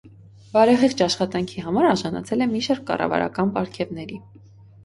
Բարեխիղճ աշխատանքի համար արժանացել է մի շարք կառավարական պարգևների։